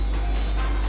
dạ tôi đều đều thích